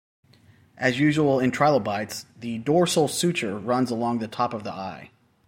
As usual in trilobites, the dorsal suture runs along the top of the eye.